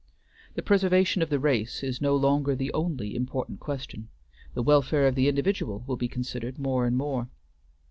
The preservation of the race is no longer the only important question; the welfare of the individual will be considered more and more.